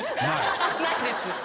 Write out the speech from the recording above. ないです。